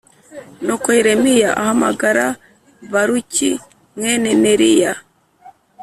nuko yeremiya ahamagara baruki mwene neriya